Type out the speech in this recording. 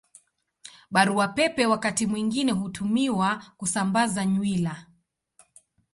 Barua Pepe wakati mwingine hutumiwa kusambaza nywila.